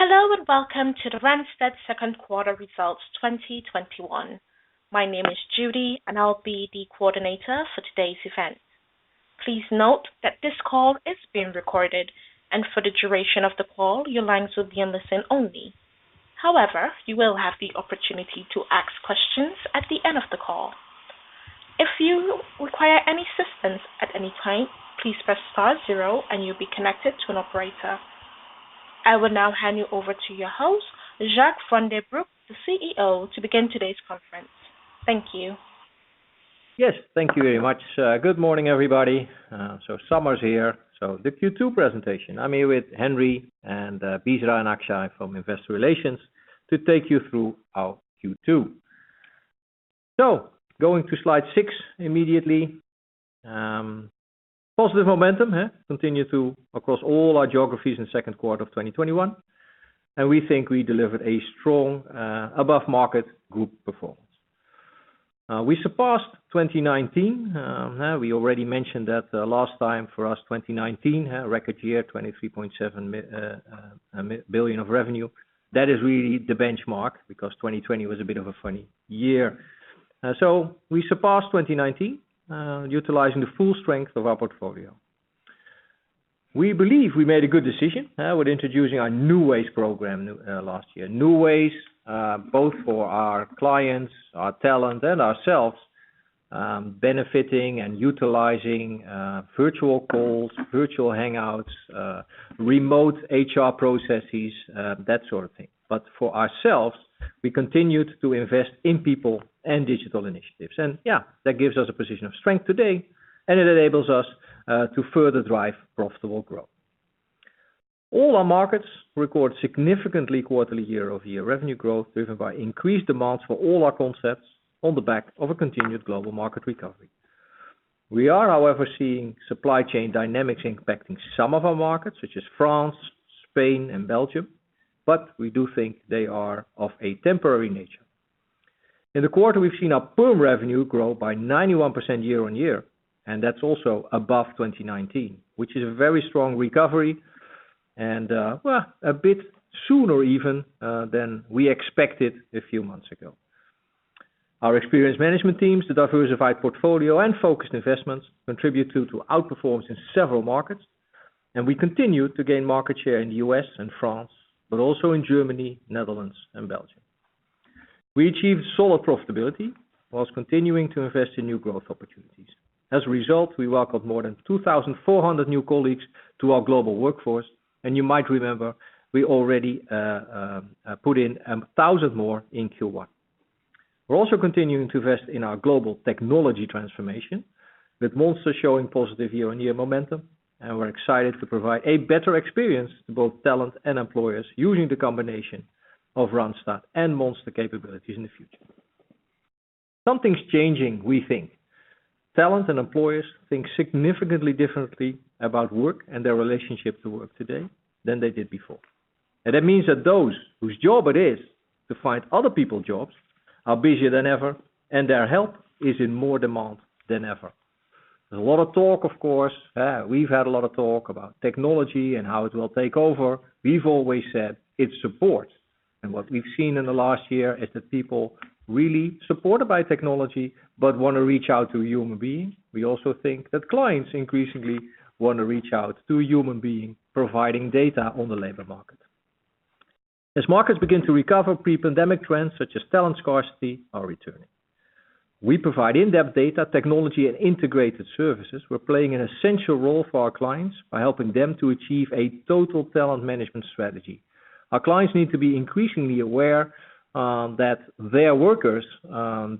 Hello, and welcome to the Randstad Second Quarter Results 2021. My name is Judy, and I'll be the coordinator for today's event. Please note that this call is being recorded, and for the duration of the call, your lines will be in listen-only. However, you will have the opportunity to ask questions at the end of the call. If you require any assistance at any time, please press star, zero and you'll be connected to an operator. I will now hand you over to your host, Jacques van den Broek, the CEO, to begin today's conference. Thank you. Yes. Thank you very much. Good morning, everybody. Summer's here, so the Q2 presentation. I'm here with Henry and Bisera and Akshay from Investor Relations to take you through our Q2. So, going to slide six immediately. Positive momentum continue through across all our geographies in second quarter of 2021, and we think we delivered a strong above-market group performance. We surpassed 2019. We already mentioned that last time for us 2019, record year, 23.7 billion of revenue. That is really the benchmark because 2020 was a bit of a funny year. So, we surpassed 2019 utilizing the full strength of our portfolio. We believe we made a good decision with introducing our #NewWays program last year. #NewWays both for our clients, our talent, and ourselves, benefiting and utilizing virtual calls, virtual hangouts, remote HR processes, that sort of thing. But for ourselves, we continued to invest in people and digital initiatives. That gives us a position of strength today, and it enables us to further drive profitable growth. All our markets record significantly quarterly year-over-year revenue growth driven by increased demands for all our concepts on the back of a continued global market recovery. We are, however, seeing supply chain dynamics impacting some of our markets, such as France, Spain, and Belgium, but we do think they are of a temporary nature. In the quarter, we've seen our perm revenue grow by 91% year-on-year, and that's also above 2019, which is a very strong recovery and, well, a bit sooner even than we expected a few months ago. Our experienced management teams, the diversified portfolio, and focused investments contribute to, to outperformance in several markets. And we continue to gain market share in the U.S. and France, but also in Germany, Netherlands and Belgium. We achieved solid profitability whilst continuing to invest in new growth opportunities. As a result, we welcomed more than 2,400 new colleagues to our global workforce, and you might remember, we already put in 1,000 more in Q1. We're also continuing to invest in our global technology transformation with Monster showing positive year-on-year momentum. And we're excited to provide a better experience to both talent and employers using the combination of Randstad and Monster capabilities in the future. Something's changing, we think. Talent and employers think significantly differently about work and their relationship to work today than they did before. That means that those whose job it is to find other people jobs are busier than ever, and their help is in more demand than ever. There's a lot of talk, of course, we've had a lot of talk about technology and how it will take over. We've always said it supports. And what we've seen in the last year is that people really supported by technology, but want to reach out to a human being. We also think that clients increasingly want to reach out to a human being providing data on the labor market. As markets begin to recover, pre-pandemic trends such as talent scarcity are returning. We provide in-depth data, technology, and integrated services. We're playing an essential role for our clients by helping them to achieve a total talent management strategy. Our clients need to be increasingly aware that their workers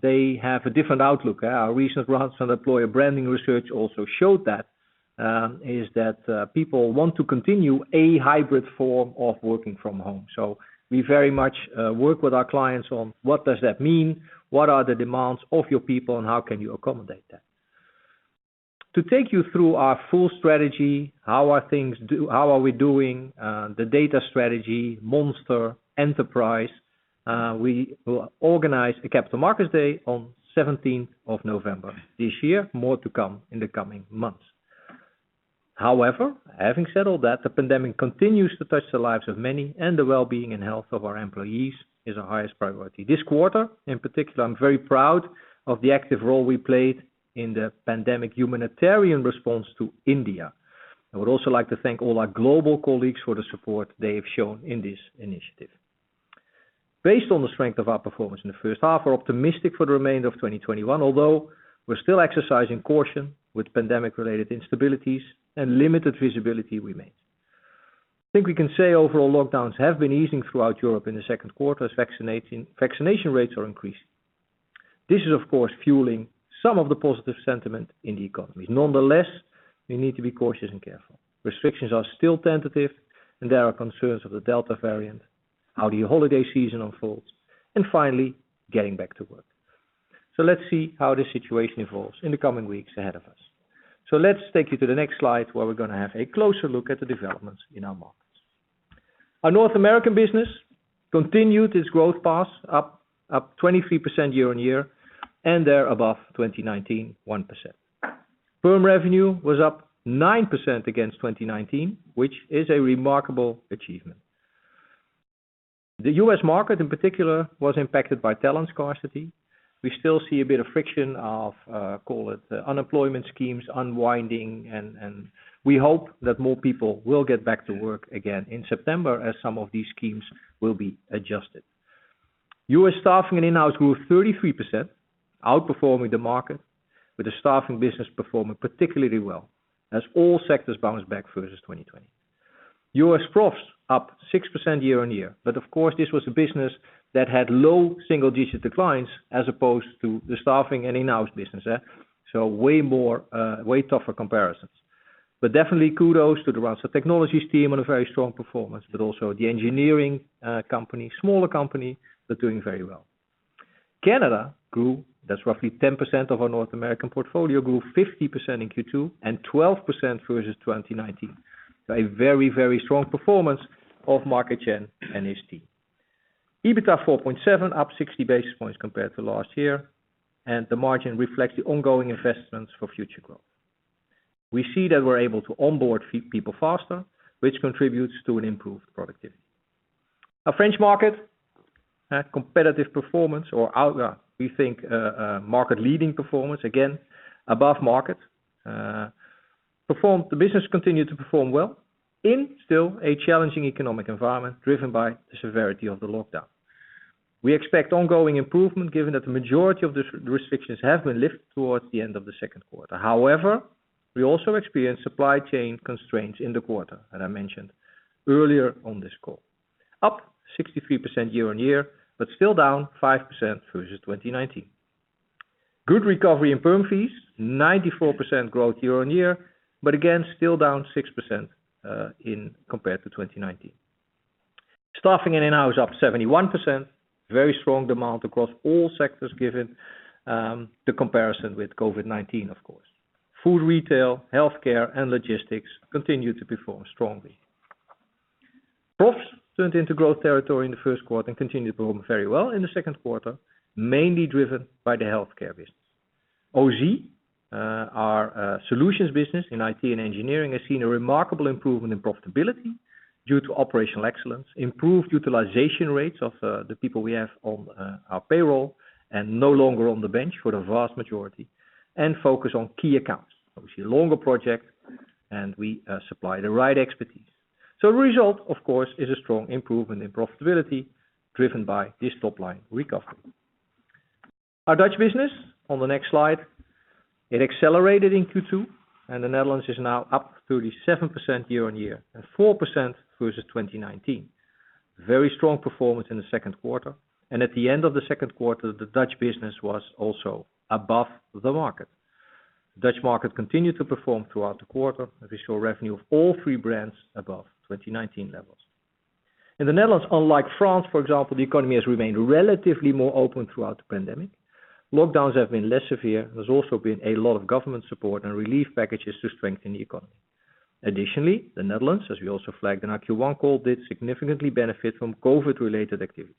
they have a different outlook. Our recent Randstad Employer Brand Research also showed that, is that people want to continue a hybrid form of working from home. We very much work with our clients on what does that mean? What are the demands of your people, and how can you accommodate that? To take you through our full strategy, how are things- how are we doing, the data strategy, Monster, Enterprise, we will organize a Capital Markets Day on 17th of November this year. More to come in the coming months. However, having said all that, the pandemic continues to touch the lives of many, and the well-being and health of our employees is our highest priority. This quarter, in particular, I'm very proud of the active role we played in the pandemic humanitarian response to India. I would also like to thank all our global colleagues for the support they have shown in this initiative. Based on the strength of our performance in the first half, we're optimistic for the remainder of 2021, although we're still exercising caution with pandemic-related instabilities and limited visibility remains. I think we can say overall lockdowns have been easing throughout Europe in the second quarter as vaccination rates are increasing. This is, of course, fueling some of the positive sentiment in the economy. Nonetheless, we need to be cautious and careful. Restrictions are still tentative, and there are concerns of the Delta variant, how the holiday season unfolds, and finally, getting back to work. Let's see how the situation evolves in the coming weeks ahead of us. Let's take you to the next slide, where we're going to have a closer look at the developments in our markets. Our North American business continued its growth path up 23% year-over-year, and they're above 2019, 1%. Perm revenue was up 9% against 2019, which is a remarkable achievement. The U.S. market, in particular, was impacted by talent scarcity. We still see a bit of friction of, call it, the unemployment schemes unwinding, and we hope that more people will get back to work again in September as some of these schemes will be adjusted. U.S. staffing and in-house grew 33%, outperforming the market, with the staffing business performing particularly well as all sectors bounce back versus 2020. U.S. Profs up 6% year-over-year. Of course, this was a business that had low single-digit declines as opposed to the staffing and in-house business. Way tougher comparisons. Definitely kudos to the Randstad Technologies team on a very strong performance, but also the engineering company, smaller company, they're doing very well. Canada grew. That's roughly 10% of our North American portfolio, grew 50% in Q2 and 12% versus 2019. A very, very strong performance of Martin de Weerdt and his team. EBITDA 4.7%, up 60 basis points compared to last year, and the margin reflects the ongoing investments for future growth. We see that we're able to onboard people faster, which contributes to an improved productivity. Our French market had competitive performance, or we think, market-leading performance, again above market. Perform- The business continued to perform well in still a challenging economic environment driven by the severity of the lockdown. We expect ongoing improvement given that the majority of the restrictions have been lifted towards the end of the second quarter. However, we also experienced supply chain constraints in the quarter, as I mentioned earlier on this call. Up 63% year-on-year, still down 5% versus 2019. Good recovery in perm fees, 94% growth year-on-year, but again, still down 6% compared to 2019. Staffing and in-house up 71%. Very strong demand across all sectors given the comparison with COVID-19, of course. Food retail, healthcare, and logistics continued to perform strongly. Profs turned into growth territory in the first quarter and continued to perform very well in the second quarter, mainly driven by the healthcare business. Ausy, our solutions business in IT and engineering, has seen a remarkable improvement in profitability due to operational excellence, improved utilization rates of the people we have on our payroll and no longer on the bench for the vast majority, and focus on key accounts. Obviously, longer projects, we supply the right expertise. The result, of course, is a strong improvement in profitability driven by this top-line recovery. Our Dutch business, on the next slide, it accelerated in Q2, and the Netherlands is now up 37% year-on-year and 4% versus 2019. Very strong performance in the second quarter. At the end of the second quarter, the Dutch business was also above the market. Dutch market continued to perform throughout the quarter, with fiscal revenue of all three brands above 2019 levels. In the Netherlands, unlike France, for example, the economy has remained relatively more open throughout the pandemic. Lockdowns have been less severe. There's also been a lot of government support and relief packages to strengthen the economy. Additionally, the Netherlands, as we also flagged in our Q1 call, did significantly benefit from COVID-related activities.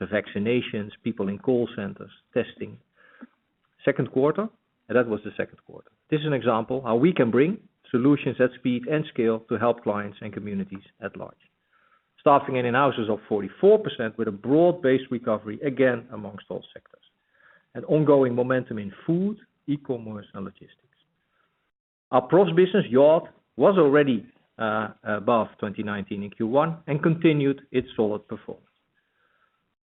Vaccinations, people in call centers, testing. Second quarter. That was the second quarter. This is an example how we can bring solutions at speed and scale to help clients and communities at large. Staffing and in-house is up 44% with a broad-based recovery, again, amongst all sectors, and ongoing momentum in food, e-commerce, and logistics. Our Profs business, Yacht, was already above 2019 in Q1 and continued its solid performance.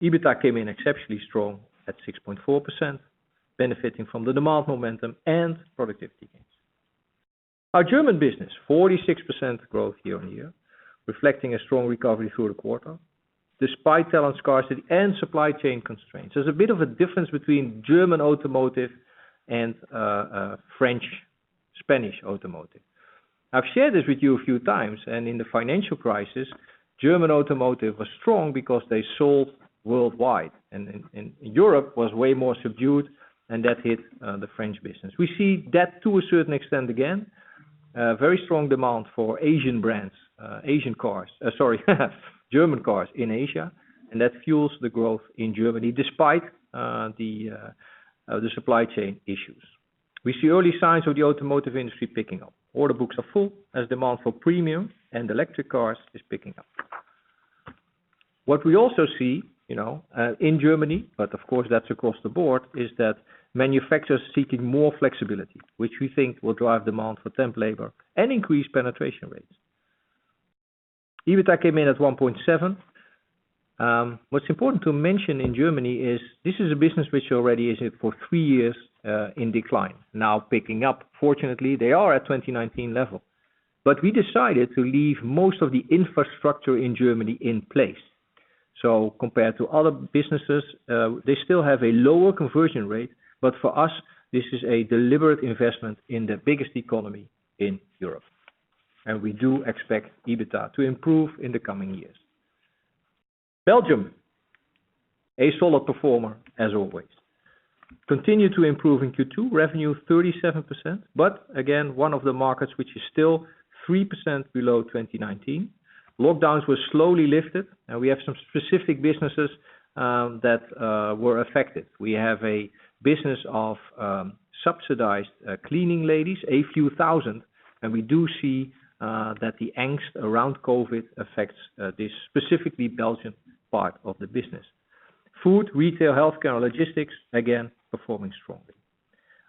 EBITDA came in exceptionally strong at 6.4%, benefiting from the demand momentum and productivity gains. Our German business, 46% growth year-over-year, reflecting a strong recovery through the quarter, despite talent scarcity and supply chain constraints. There's a bit of a difference between German automotive and French, Spanish automotive. I've shared this with you a few times, and in the financial crisis, German automotive was strong because they sold worldwide, and Europe was way more subdued, and that hit the French business. We see that to a certain extent again. Very strong demand for German cars in Asia, and that fuels the growth in Germany despite the supply chain issues. We see early signs of the automotive industry picking up. Order books are full as demand for premium and electric cars is picking up. What we also see in Germany, but of course, that's across the board, is that manufacturers seeking more flexibility, which we think will drive demand for temp labor and increase penetration rates. EBITDA came in at 1.7. What's important to mention in Germany is this is a business which already is for three years in decline, now picking up. Fortunately, they are at 2019 level. But we decided to leave most of the infrastructure in Germany in place. Compared to other businesses, they still have a lower conversion rate, but for us, this is a deliberate investment in the biggest economy in Europe and we do expect EBITDA to improve in the coming years. Belgium, a solid performer as always. Continue to improve in Q2, revenue 37%, but again, one of the markets which is still 3% below 2019. Lockdowns were slowly lifted, and we have some specific businesses that were affected. We have a business of subsidized cleaning ladies, a few thousand, and we do see that the angst around COVID-19 affects this specifically Belgian part of the business. Food, retail, healthcare, logistics, again, performing strongly.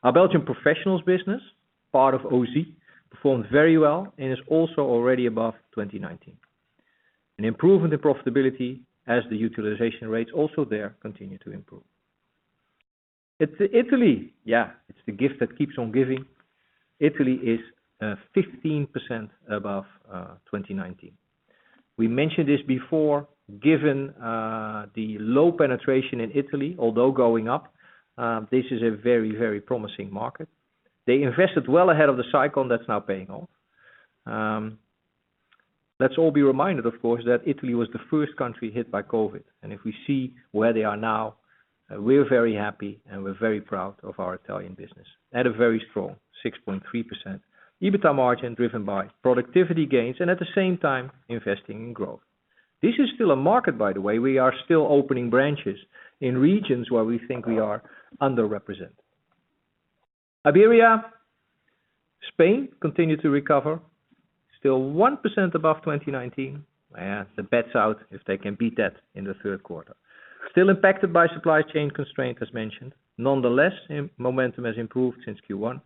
Our Belgian professionals business, part of Ausy, performed very well and is also already above 2019. An improvement in profitability as the utilization rates also there continue to improve. Italy, yeah, it's the gift that keeps on giving. Italy is 15% above 2019. We mentioned this before, given the low penetration in Italy, although going up, this is a very promising market. They invested well ahead of the cycle and that's now paying off. Let's all be reminded, of course, that Italy was the first country hit by COVID-19, and if we see where they are now, we're very happy and we're very proud of our Italian business at a very strong 6.3% EBITDA margin driven by productivity gains and at the same time investing in growth. This is still a market, by the way. We are still opening branches in regions where we think we are underrepresented. Iberia, Spain continued to recover, still 1% above 2019. The bet's out if they can beat that in the third quarter. Still impacted by supply chain constraint as mentioned. Momentum has improved since Q1,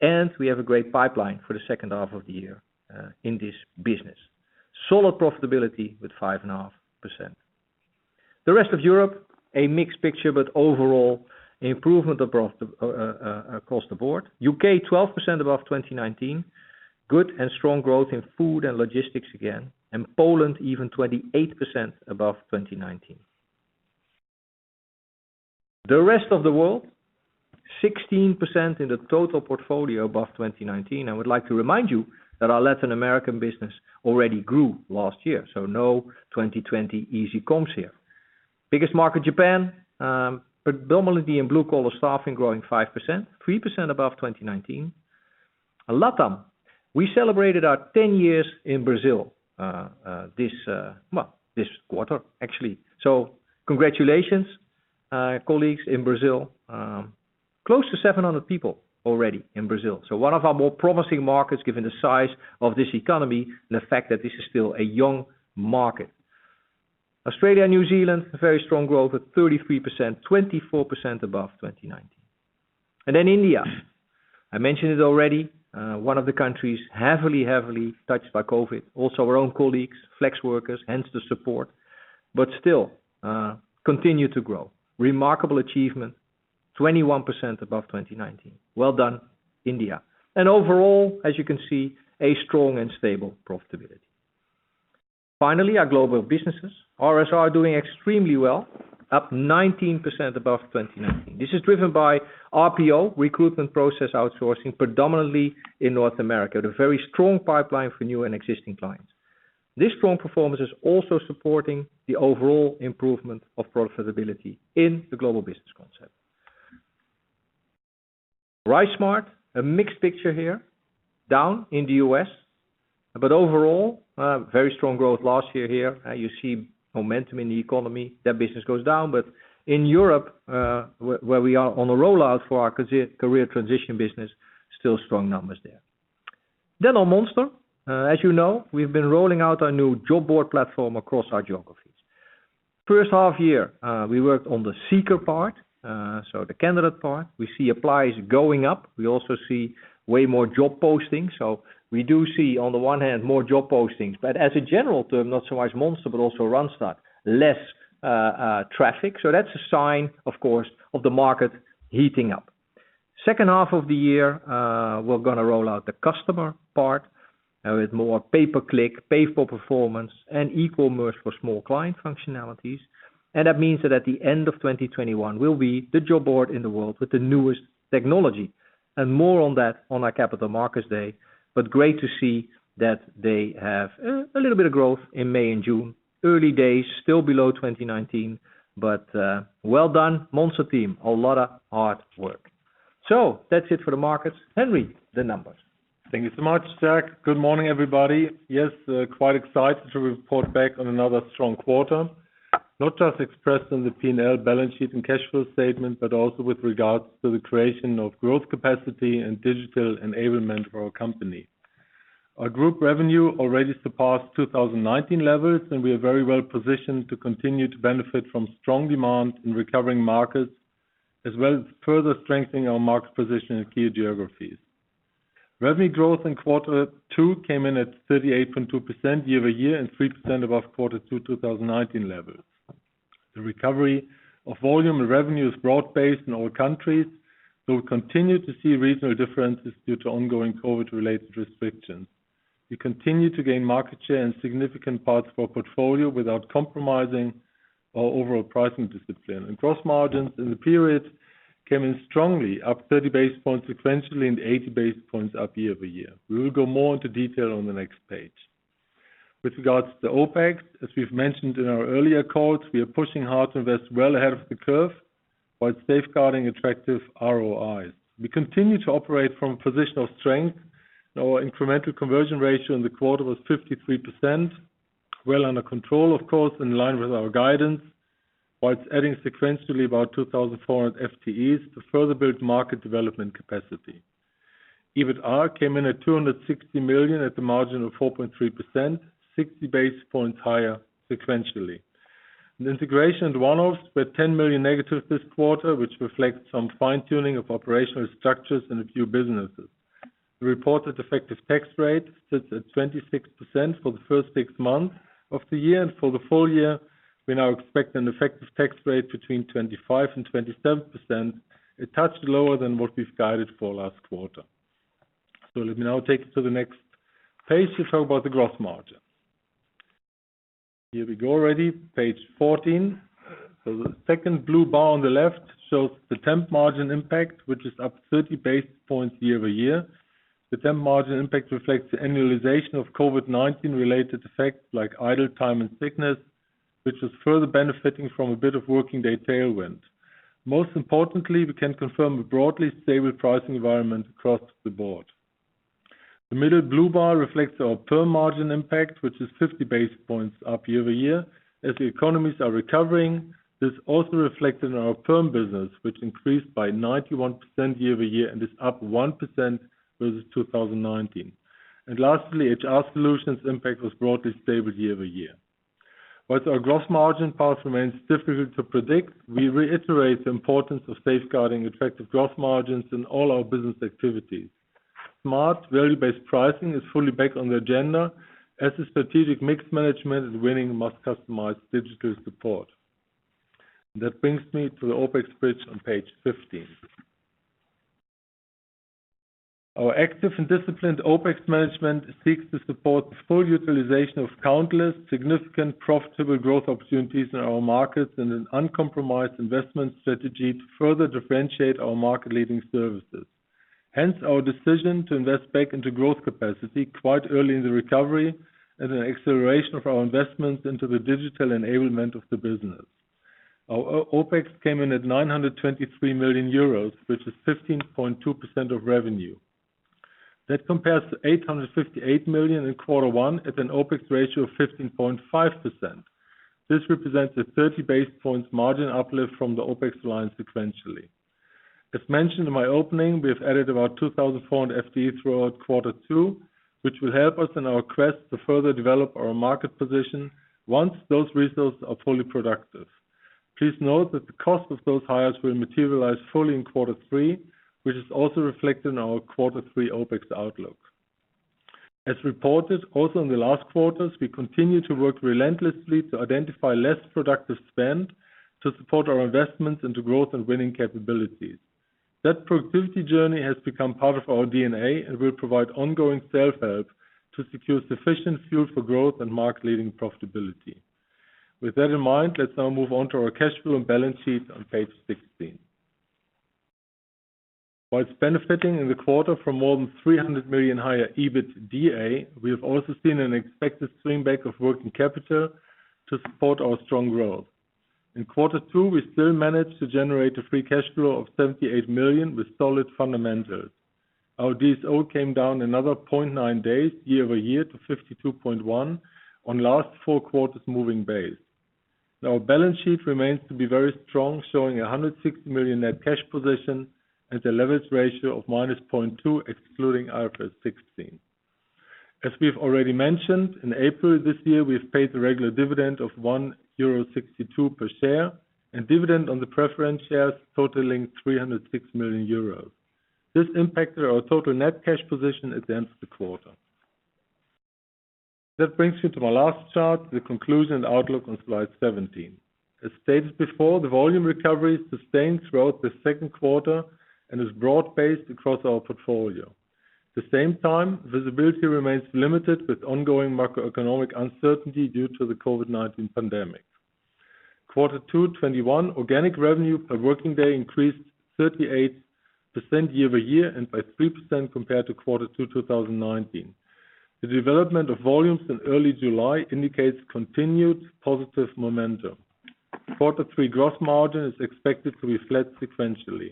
and we have a great pipeline for the second half of the year in this business. Solid profitability with 5.5%. Rest of Europe, a mixed picture, overall improvement across the board. U.K. 12% above 2019. Good and strong growth in food and logistics again, and Poland even 28% above 2019. Rest of the world, 16% in the total portfolio above 2019. I would like to remind you that our Latin American business already grew last year, so no 2020 easy comps here. Biggest market, Japan, predominantly in blue-collar staffing growing 5%, 3% above 2019. LATAM, we celebrated our 10 years in Brazil this quarter, actually. Congratulations, colleagues in Brazil. Close to 700 people already in Brazil. One of our more promising markets given the size of this economy and the fact that this is still a young market. Australia and New Zealand, very strong growth at 33%, 24% above 2019. And India, I mentioned it already, one of the countries heavily touched by COVID-19. Also our own colleagues, flex workers, hence the support, but still continue to grow. Remarkable achievement, 21% above 2019. Well done, India. And overall, as you can see, a strong and stable profitability. Finally, our global businesses. RSR are doing extremely well, up 19% above 2019. This is driven by RPO, recruitment process outsourcing, predominantly in North America with very strong pipeline for new and existing clients. This strong performance is also supporting the overall improvement of profitability in the global business concept. RiseSmart, a mixed picture here, down in the U.S. Overall, very strong growth last year here. You see momentum in the economy. That business goes down, but in Europe, where we are on a rollout for our career transition business, still strong numbers there. Then on Monster, as you know, we've been rolling out our new job board platform across our geographies. First half year, we worked on the seeker part, so the candidate part. We see applies going up. We also see way more job postings. We do see on the one hand more job postings, but as a general term, not so much Monster, but also Randstad, less traffic. That's a sign, of course, of the market heating up. Second half of the year, we're going to roll out the customer part with more pay per click, pay for performance, and e-commerce for small client functionalities. That means that at the end of 2021, we'll be the job board in the world with the newest technology. More on that on our Capital Markets Day. Great to see that they have a little bit of growth in May and June. Early days, still below 2019, but well done, Monster team. A lot of hard work. That's it for the markets. Henry, the numbers. Thank you so much, Jacques. Good morning, everybody. Quite excited to report back on another strong quarter, not just expressed in the P&L balance sheet and cash flow statement, but also with regards to the creation of growth capacity and digital enablement for our company. Our group revenue already surpassed 2019 levels. We are very well positioned to continue to benefit from strong demand in recovering markets, as well as further strengthening our market position in key geographies. Revenue growth in quarter two came in at 38.2% year-over-year and 3% above quarter two 2019 levels. The recovery of volume and revenue is broad-based in all countries, though we continue to see regional differences due to ongoing COVID-19-related restrictions. We continue to gain market share in significant parts of our portfolio without compromising our overall pricing discipline. Gross margins in the period came in strongly, up 30 basis points sequentially and 80 basis points up year-over-year. We will go more into detail on the next page. With regards to OpEx, as we've mentioned in our earlier calls, we are pushing hard to invest well ahead of the curve while safeguarding attractive ROIs. We continue to operate from a position of strength. Our incremental conversion ratio in the quarter was 53%, well under control, of course, in line with our guidance, whilst adding sequentially about 2,400 FTEs to further build market development capacity. EBITA came in at 260 million at a margin of 4.3%, 60 basis points higher sequentially. The integration and one-offs were 10 million negative this quarter, which reflects some fine-tuning of operational structures in a few businesses. The reported effective tax rate sits at 26% for the first six months of the year. For the full year, we now expect an effective tax rate between 25% and 27%, a touch lower than what we've guided for last quarter. Let me now take you to the next page to talk about the gross margin. Here we go already, page 14. The second blue bar on the left shows the temp margin impact, which is up 30 basis points year-over-year. The temp margin impact reflects the annualization of COVID-19 related effects like idle time and sickness, which is further benefiting from a bit of working day tailwind. Most importantly, we can confirm a broadly stable pricing environment across the board. The middle blue bar reflects our perm margin impact, which is 50 basis points up year-over-year. As the economies are recovering, this also reflected in our perm business, which increased by 91% year-over-year and is up 1% versus 2019. Lastly, HR Solutions impact was broadly stable year-over-year. While our gross margin path remains difficult to predict, we reiterate the importance of safeguarding effective gross margins in all our business activities. Smart, value-based pricing is fully back on the agenda as the strategic mix management is winning and much customized digital support. That brings me to the OpEx bridge on page 15. Our active and disciplined OpEx management seeks to support the full utilization of countless, significant, profitable growth opportunities in our markets and an uncompromised investment strategy to further differentiate our market-leading services. Our decision to invest back into growth capacity quite early in the recovery and an acceleration of our investments into the digital enablement of the business. Our OpEx came in at 923 million euros, which is 15.2% of revenue. That compares to 858 million in quarter one at an OpEx ratio of 15.5%. This represents a 30 basis points margin uplift from the OpEx line sequentially. As mentioned in my opening, we have added about 2,400 FTE throughout quarter two, which will help us in our quest to further develop our market position once those resources are fully productive. Please note that the cost of those hires will materialize fully in quarter three, which is also reflected in our quarter three OpEx outlook. As reported also in the last quarters, we continue to work relentlessly to identify less productive spend to support our investments into growth and winning capabilities. That productivity journey has become part of our DNA and will provide ongoing self-help to secure sufficient fuel for growth and market-leading profitability. With that in mind, let's now move on to our cash flow and balance sheet on page 16. Whilst benefiting in the quarter from more than 300 million higher EBITDA, we have also seen an expected swing back of working capital to support our strong growth. In quarter two, we still managed to generate a free cash flow of 78 million with solid fundamentals. Our DSO came down another 0.9 days year-over-year to 52.1 on last four quarters moving base. Our balance sheet remains to be very strong, showing 160 million net cash position and a leverage ratio of -0.2 excluding IFRS 16. As we've already mentioned, in April this year, we've paid the regular dividend of EURO 1.62 per share and dividend on the preference shares totaling EURO 306 million. This impacted our total net cash position at the end of the quarter. That brings me to my last chart, the conclusion and outlook on slide 17. As stated before, the volume recovery sustained throughout the second quarter and is broad-based across our portfolio. At the same time, visibility remains limited with ongoing macroeconomic uncertainty due to the COVID-19 pandemic. Q2 2021, organic revenue per working day increased 38% year-over-year and by 3% compared to Q2 2019. The development of volumes in early July indicates continued positive momentum. Q3 gross margin is expected to be flat sequentially.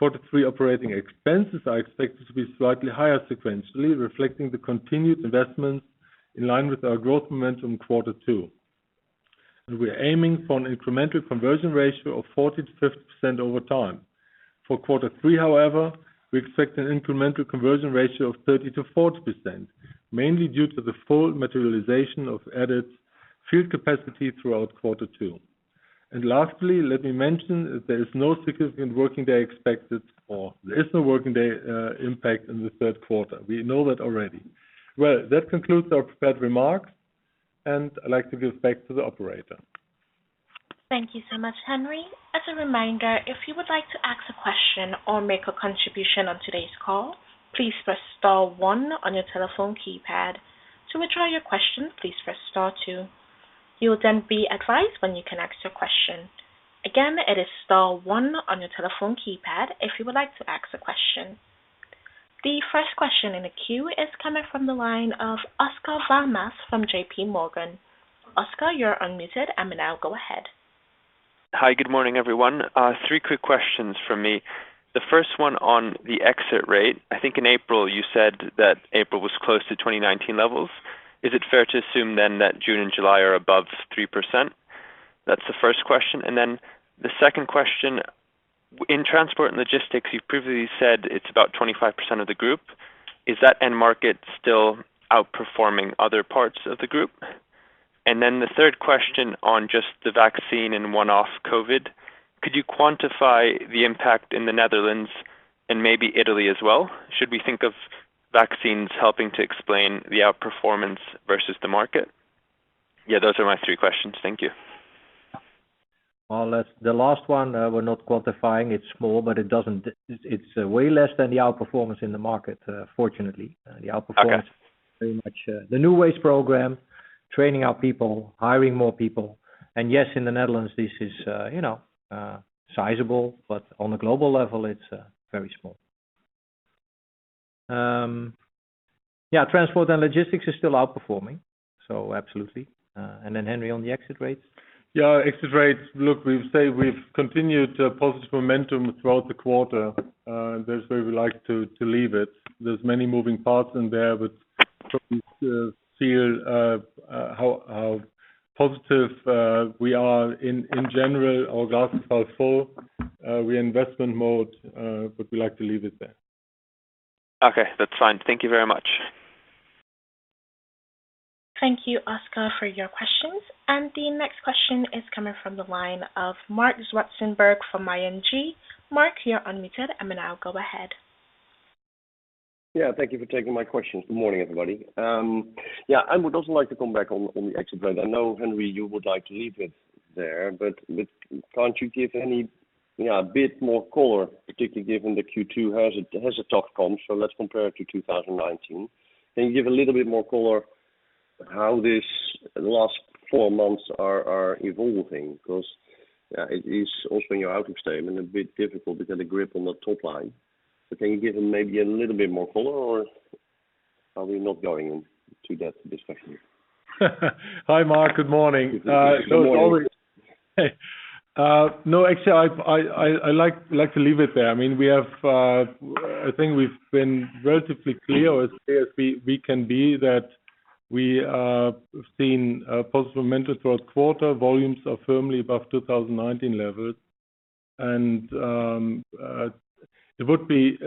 Q3 operating expenses are expected to be slightly higher sequentially, reflecting the continued investments in line with our growth momentum in Q2. We are aiming for an incremental conversion ratio of 40%-50% over time. For quarter three, however, we expect an incremental conversion ratio of 30%-40%, mainly due to the full materialization of added field capacity throughout quarter two. And lastly, let me mention there is no significant working day impact in the third quarter. We know that already. That concludes our prepared remarks, and I’d like to give back to the operator. Thank you so much, Henry. As a reminder, if you would like to ask a question or make a contribution of today's call, please press star, one on your telephone keypad. To withdraw your question, please press star, two. You will then be advised when you can ask a question. Again, it is star, one on your telephone keypad if you would like to ask a question. The first question in the queue is coming from the line of Oscar Val Mas from J.P. Morgan. Oscar, you're unmuted and now go ahead. Hi, good morning, everyone. Threequick questions from me. The first one on the exit rate. I think in April you said that April was close to 2019 levels. Is it fair to assume that June and July are above 3%? That's the first question. And then the second question, in transport and logistics, you've previously said it's about 25% of the group. Is that end market still outperforming other parts of the group? And then the third question on just the vaccine and one-off COVID. Could you quantify the impact in the Netherlands and maybe Italy as well? Should we think of vaccines helping to explain the outperformance versus the market? Those are my three questions. Thank you. Well, the last one, we're not quantifying. It's small, but it's way less than the outperformance in the market, fortunately. Okay. The outperformance, very much. The #NewWays program, training our people, hiring more people and yes, in the Netherlands, this is sizable, but on a global level, it's very small. Yeah, transport and logistics is still outperforming. Absolutely. And then Henry on the exit rates? Yeah, exit rates, look, we've stayed. We've continued positive momentum throughout the quarter. That's where we like to leave it. There's many moving parts in there, but probably feel how positive we are in general, our glass is half full. We're investment mode, but we like to leave it there. Okay, that's fine. Thank you very much. Thank you, Oscar, for your questions. The next question is coming from the line of Marc Zwartsenburg from ING. Marc, you're unmuted. Now go ahead. Yeah, thank you for taking my questions. Good morning, everybody. Yeah, I would also like to come back on the exit rate. I know, Henry, you would like to leave it there, but can't you give a bit more color, particularly given the Q2 has a tough comp, so let's compare it to 2019. Can you give a little bit more color how these last four months are evolving? It is also in your outlook statement, a bit difficult to get a grip on the top line. Can you give maybe a little bit more color or are we not going into this question? Hi, Marc. Good morning. Good morning. Hey. No, actually, I like to leave it there. I think we've been relatively clear or as clear as we can be that we have seen positive momentum throughout quarter, volumes are firmly above 2019 levels. It would be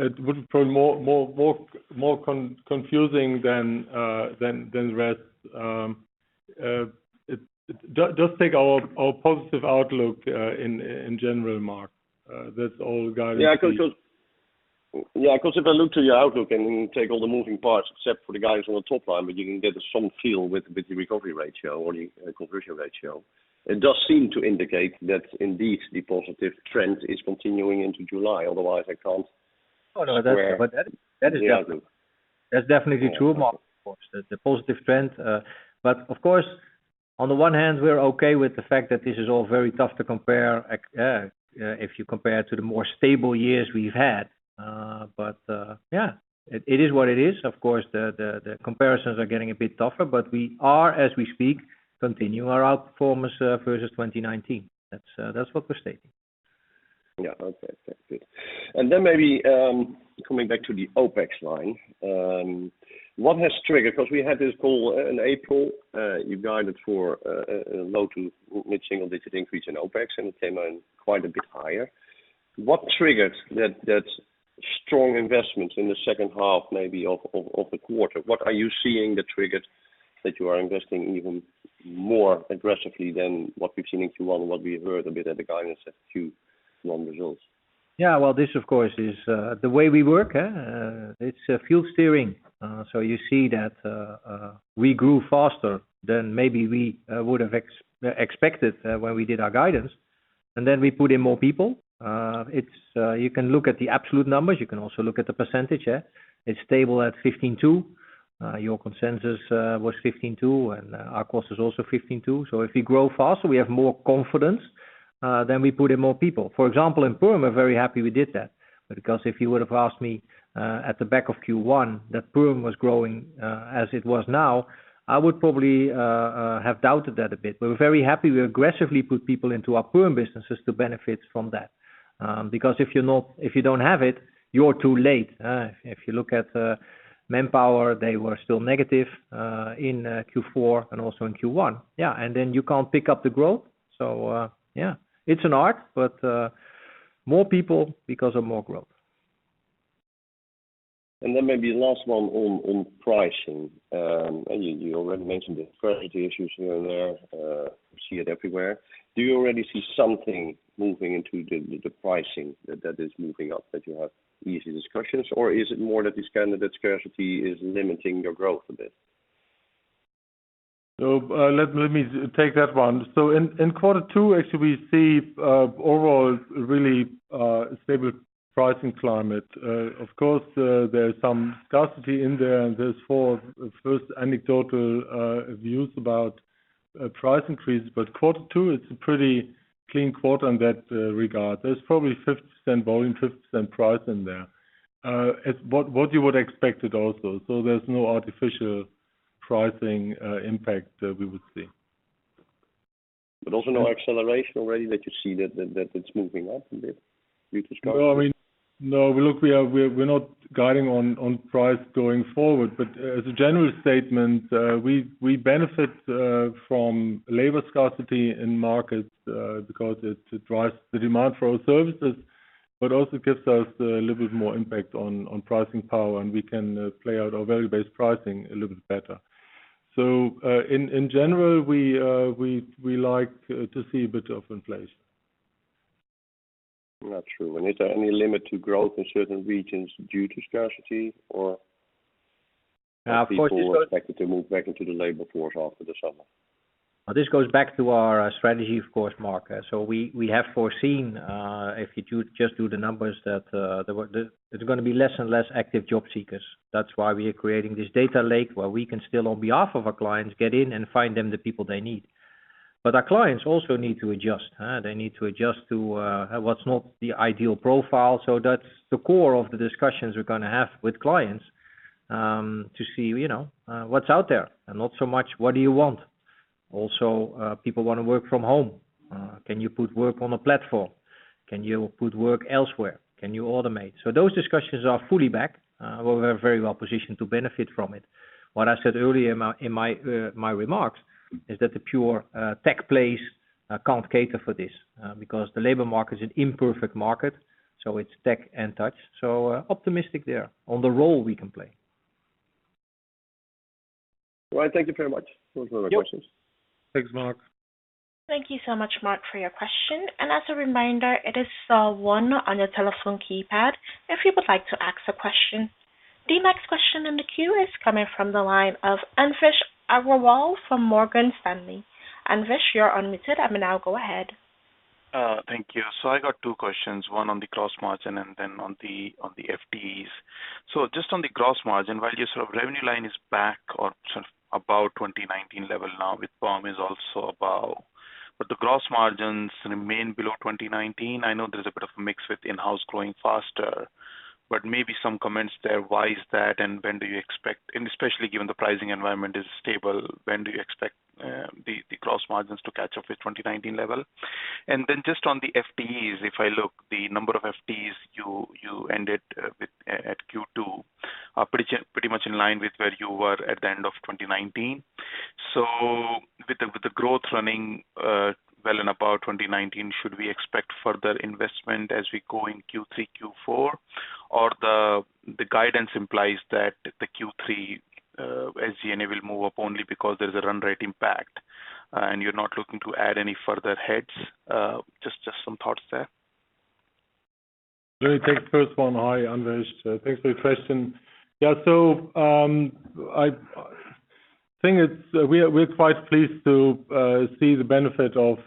probably more confusing than that. Just take our positive outlook in general, Marc. That's all guided- Yeah, because if I look to your outlook and take all the moving parts, except for the guys on the top line, but you can get some feel with the recovery ratio or the conversion ratio. It does seem to indicate that indeed the positive trend is continuing into July, otherwise, headcount. That is the outlook. That is definitely true, Marc. Of course, the positive trend. Of course, on the one hand, we are okay with the fact that this is all very tough to compare if you compare to the more stable years we've had. But, yeah, it is what it is. Of course, the comparisons are getting a bit tougher, but we are, as we speak, continuing our outperformance versus 2019. That's what we're stating. Okay. That's good. And then maybe, coming back to the OpEx line, what has triggered? Because we had this call in April, you guided for a low to mid-single digit increase in OpEx, and it came in quite a bit higher. What triggered that strong investment in the second half maybe of the quarter? What are you seeing that triggered that you are investing even more aggressively than what we've seen in Q1 and what we heard a bit at the guidance at Q1 results? Yeah, well, this of course, is the way we work. It's field steering. You see that we grew faster than maybe we would have expected when we did our guidance, and then we put in more people. You can look at the absolute numbers. You can also look at the percentage. It's stable at 15.2%. Your consensus was 15.2%, and our cost is also 15.2%. If we grow faster, we have more confidence, then we put in more people. For example, in perm, we're very happy we did that because if you would have asked me at the back of Q1 that perm was growing as it was now, I would probably have doubted that a bit. We're very happy we aggressively put people into our perm businesses to benefit from that. If you don't have it, you're too late. If you look at Manpower, they were still negative in Q4 and also in Q1. Yeah, and you can't pick up the growth, yeah. It's an art, more people because of more growth. And then maybe last one on pricing. You already mentioned the scarcity issues here and there. You see it everywhere. Do you already see something moving into the pricing that is moving up, that you have easy discussions? Or is it more that this kind of scarcity is limiting your growth a bit? Let me take that one. In quarter two, actually we see overall really a stable pricing climate. Of course, there is some scarcity in there, and there's four- first anecdotal views about price increases, but quarter two is a pretty clean quarter in that regard. There's probably 50% volume, 50% price in there. It's what you would expect it also, there's no artificial pricing impact we would see. Also no acceleration already that you see that it's moving up a bit due to scarcity? No, look, we're not guiding on price going forward. As a general statement, we benefit from labor scarcity in markets because it drives the demand for our services, but also gives us a little bit more impact on pricing power, and we can play out our value-based pricing a little bit better. In general, we like to see a bit of inflation. That's true. Is there any limit to growth in certain regions due to scarcity? Or- Of course, this goes- people expected to move back into the labor force after the summer? This goes back to our strategy, of course, Marc. We have foreseen, if you just do the numbers, that there's going to be less and less active job seekers. That's why we are creating this data lake where we can still, on behalf of our clients, get in and find them the people they need. But our clients also need to adjust. They need to adjust to what's not the ideal profile. That's the core of the discussions we're going to have with clients, to see what's out there and not so much what do you want. Also, people want to work from home. Can you put work on a platform? Can you put work elsewhere? Can you automate? Those discussions are fully back. We're very well positioned to benefit from it. What I said earlier in my remarks is that the pure tech place can't cater for this, because the labor market is an imperfect market, so it's tech and touch. Optimistic there on the role we can play. Well, thank you very much. Those were my questions. Yep. Thanks, Marc. Thank you so much, Marc, for your question. And as a reminder, it is star, one on your telephone keypad if you would like to ask a question. The next question in the queue is coming from the line of Anvesh Agrawal from Morgan Stanley. Anvesh, you're unmuted. Now go ahead. Thank you. I got two questions, one on the gross margin and then on the FTEs. Just on the gross margin, while your revenue line is back or about 2019 level now with perm is also about, but the gross margins remain below 2019. I know there is a bit of a mix with in-house growing faster, maybe some comments there. Why is that, when do you expect, and especially given the pricing environment is stable, when do you expect the gross margins to catch up with 2019 level? And then just on the FTEs, if I look, the number of FTEs you ended with at Q2 are pretty much in line with where you were at the end of 2019. So, with the growth running well and above 2019, should we expect further investment as we go in Q3, Q4? Or the guidance implies that the Q3 SG&A will move up only because there's a run rate impact, and you're not looking to add any further heads? Just some thoughts there. Let me take the first one. Hi, Anvesh. Thanks for your question. Yeah, I think we're quite pleased to see the benefit of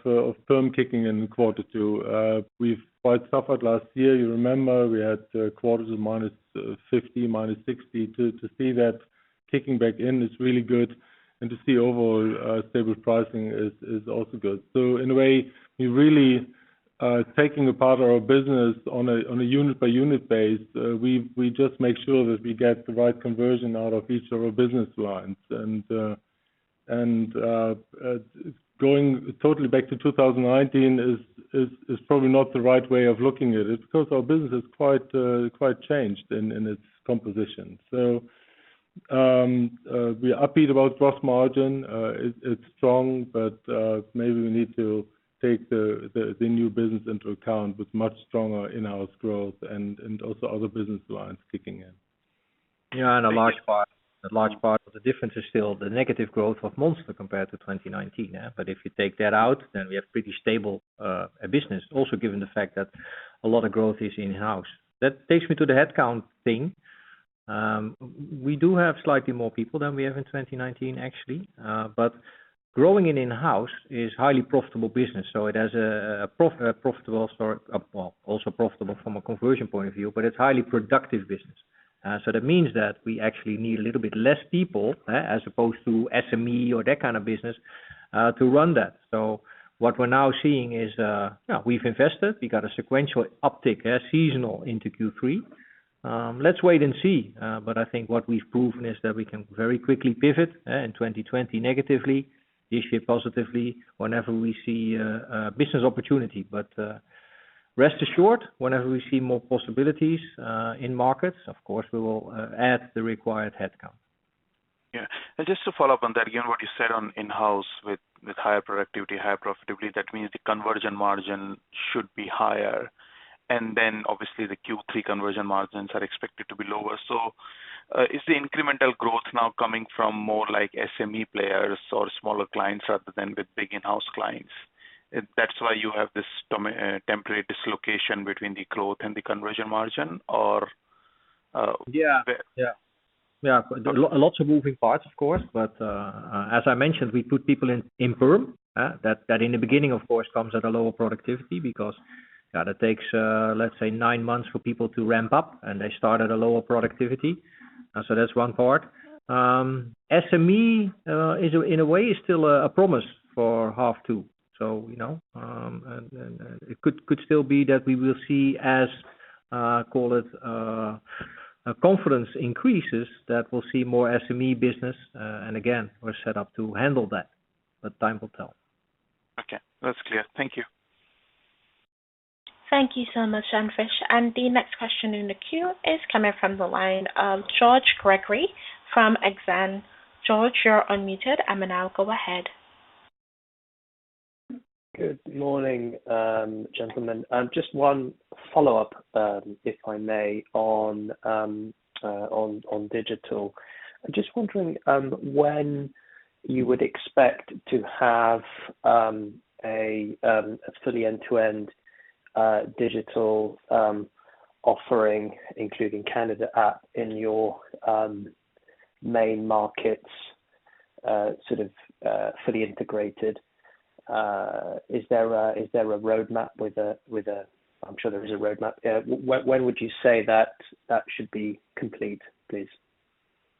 perm kicking in quarter two. We've quite suffered last year. You remember we had quarters of -50%, -60%. To see that kicking back in is really good. To see overall stable pricing is also good. In a way, we really are taking apart our business on a unit-by-unit basis. We just make sure that we get the right conversion out of each of our business lines. Going totally back to 2019 is probably not the right way of looking at it because our business has quite changed in its composition. We are upbeat about gross margin. It's strong, but maybe we need to take the new business into account with much stronger in-house growth and also other business lines kicking in. Yeah, and a large part, a large part of the difference is still the negative growth of Monster compared to 2019. If you take that out, then we have pretty stable business, also given the fact that a lot of growth is in-house. That takes me to the headcount thing. We do have slightly more people than we have in 2019, actually. But growing in in-house is highly profitable business. Well, also profitable from a conversion point of view, but it's highly productive business. That means that we actually need a little bit less people as opposed to SME or that kind of business to run that. What we're now seeing is, we've invested, we got a sequential uptick, seasonal into Q3. Let's wait and see. I think what we've proven is that we can very quickly pivot, in 2020 negatively, this year positively whenever we see a business opportunity. Rest assured, whenever we see more possibilities in markets, of course we will add the required headcount. Yeah. Just to follow up on that, again, what you said on in-house with higher productivity, higher profitability, that means the conversion margin should be higher. Obviously the Q3 conversion margins are expected to be lower. Is the incremental growth now coming from more SME players or smaller clients rather than with big in-house clients? That's why you have this temporary dislocation between the growth and the conversion margin? Or... Yeah. Lots of moving parts, of course. As I mentioned, we put people in interim. That in the beginning, of course, comes at a lower productivity because that takes, let's say, nine months for people to ramp up, and they start at a lower productivity. That's one part. SME, in a way, is still a promise for half two. It could still be that we will see as, call it, confidence increases, that we'll see more SME business. Again, we're set up to handle that, but time will tell. Okay. That's clear. Thank you. Thank you so much, Anvesh. The next question in the queue is coming from the line of George Gregory from Exane. George, you're unmuted and now go ahead. Good morning, gentlemen. Just one follow-up, if I may, on digital. I'm just wondering when you would expect to have a fully end-to-end digital offering, including candidate app, in your main markets, sort of fully integrated. Is there a roadmap? I'm sure there is a roadmap. When would you say that should be complete, please?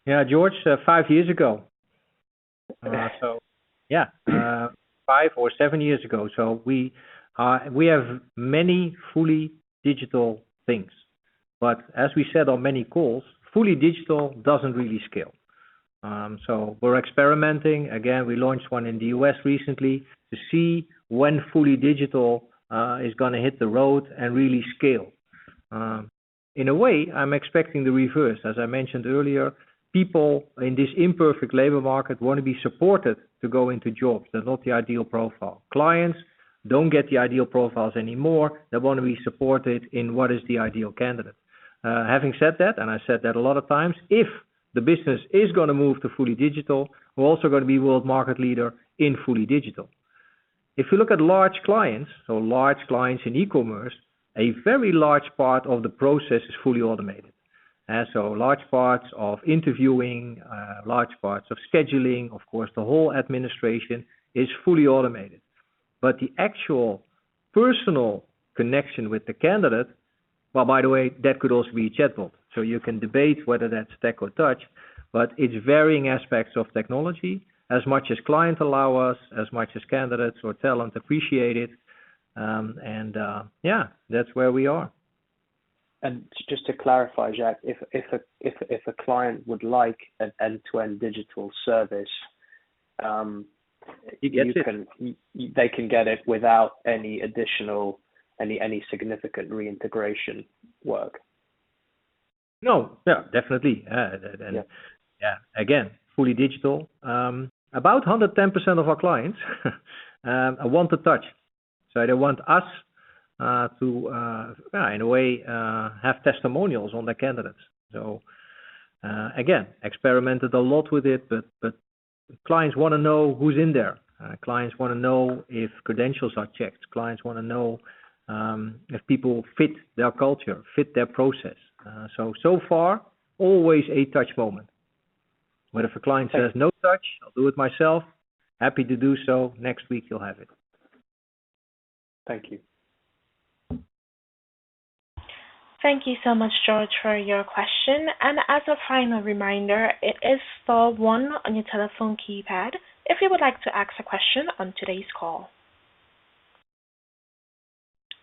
Yeah, George, five years ago. Okay. Five or seven years ago. We have many fully digital things. As we said on many calls, fully digital doesn't really scale. We're experimenting. Again, we launched one in the U.S. recently to see when fully digital is going to hit the road and really scale. In a way, I'm expecting the reverse. As I mentioned earlier, people in this imperfect labor market want to be supported to go into jobs that are not the ideal profile. Clients don't get the ideal profiles anymore. They want to be supported in what is the ideal candidate. Having said that, and I said that a lot of times, if the business is going to move to fully digital, we're also going to be world market leader in fully digital. If you look at large clients, so large clients in e-commerce, a very large part of the process is fully automated. Large parts of interviewing, large parts of scheduling, of course, the whole administration is fully automated. But the actual personal connection with the candidate, well, by the way, that could also be a chatbot. You can debate whether that's tech or touch, but it's varying aspects of technology as much as clients allow us, as much as candidates or talent appreciate it. Yeah, that's where we are. And just to clarify, Jacques, if a client would like an end-to-end digital service. You get it. They can get it without any significant reintegration work? No. Yeah, definitely. Yeah. Yeah. Again, fully digital. About 110% of our clients want the touch. They want us to, in a way, have testimonials on the candidates. Again, experimented a lot with it, but clients want to know who's in there. Clients want to know if credentials are checked. Clients want to know if people fit their culture, fit their process. So far, always a touch moment. If a client says, "No touch, I'll do it myself," happy to do so. Next week you'll have it. Thank you. Thank you so much, George, for your question. As a final reminder, it is star, one on your telephone keypad if you would like to ask a question on today's call.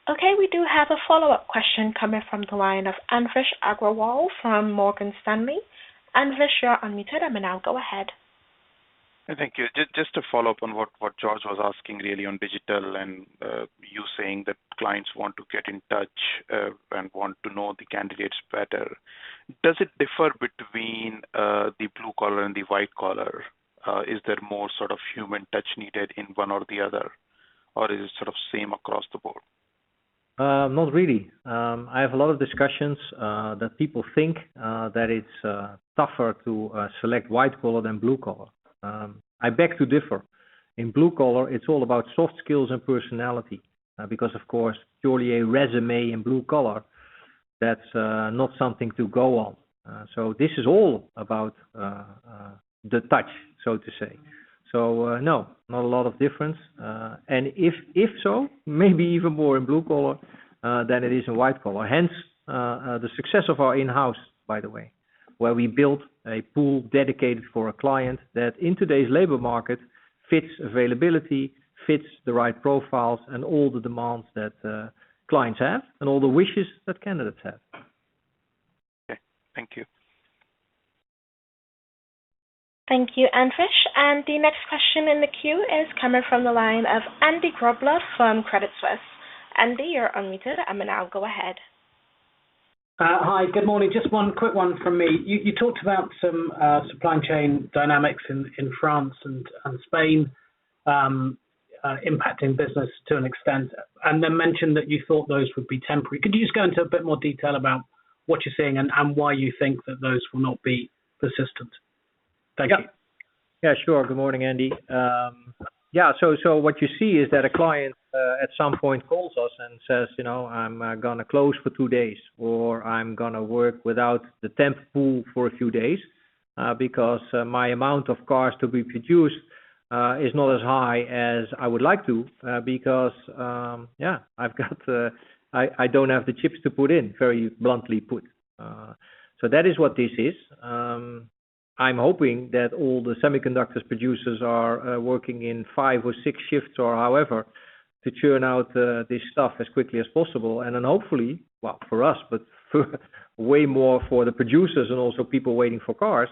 Okay, we do have a follow-up question coming from the line of Anvesh Agrawal from Morgan Stanley. Anvesh, you are unmuted and now go ahead. Thank you. Just to follow up on what George was asking, really, on digital and you saying that clients want to get in touch and want to know the candidates better. Does it differ between the blue collar and the white collar? Is there more sort of human touch needed in one or the other, or is it sort of same across the board? Not really. I have a lot of discussions that people think that it's tougher to select white collar than blue collar. I beg to differ. In blue collar, it's all about soft skills and personality, because of course, purely a resume in blue collar, that's not something to go on. This is all about the touch, so to say. No, not a lot of difference. And if, if so, maybe even more in blue collar than it is in white collar. Hence, the success of our in-house, by the way, where we built a pool dedicated for a client that in today's labor market fits availability, fits the right profiles, and all the demands that clients have and all the wishes that candidates have. Okay. Thank you. Thank you, Anvesh. The next question in the queue is coming from the line of Andy Grobler from Credit Suisse. Andy, you're unmuted and now go ahead. Hi. Good morning. Just one quick one from me. You talked about some supply chain dynamics in France and Spain impacting business to an extent, mentioned that you thought those would be temporary. Could you just go into a bit more detail about what you're seeing and why you think that those will not be persistent? Thank you. Yeah, sure. Good morning, Andy. What you see is that a client at some point calls us and says, "I'm going to close for two days," or, "I'm going to work without the temp pool for a few days because my amount of cars to be produced is not as high as I would like to because I don't have the chips to put in," very bluntly put. So that is what this is. I'm hoping that all the semiconductors producers are working in five or six shifts, or however, to churn out this stuff as quickly as possible. Then hopefully, well, for us, but way more for the producers and also people waiting for cars,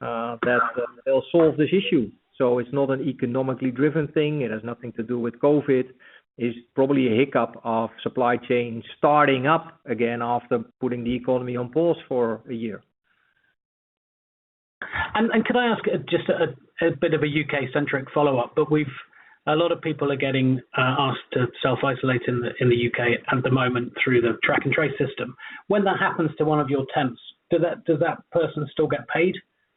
that they'll solve this issue. It's not an economically driven thing. It has nothing to do with COVID-19. It's probably a hiccup of supply chain starting up again after putting the economy on pause for a year. And could I ask just a bit of a U.K.-centric follow-up? A lot of people are getting asked to self-isolate in the U.K. at the moment through the track and trace system. When that happens to one of your temps, does that person still get paid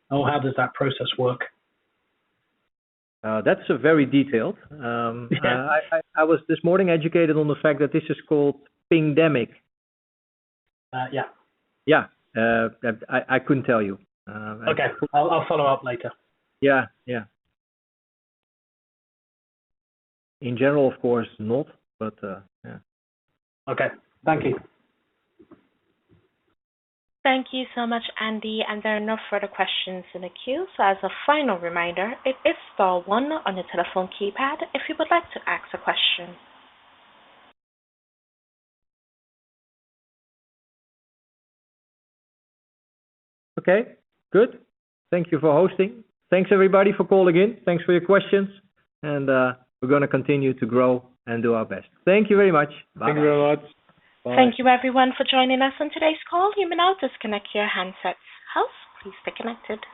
or how does that process work? That's very a detailed. I was this morning educated on the fact that this is called pingdemic. Yeah. Yeah. I couldn't tell you. Okay. I'll follow up later. Yeah, yeah. In general, of course not, but yeah. Okay. Thank you. Thank you so much, Andy, and there are no further questions in the queue. As a final reminder, it is star, one on your telephone keypad if you would like to ask a question. Okay, good. Thank you for hosting. Thanks everybody for calling in. Thanks for your questions, and we're going to continue to grow and do our best. Thank you very much. Bye. Thank you very much. Bye. Thank you everyone for joining us on today's call. You may now disconnect your handset. Host is being disconnected.